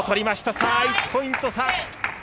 さあ、１ポイント差。